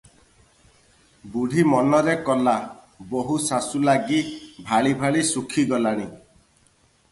ବୁଢ଼ୀ ମନରେ କଲା, ବୋହୂ ଶାଶୁ ଲାଗି ଭାଳି ଭାଳି ଶୁଖି ଗଲାଣି ।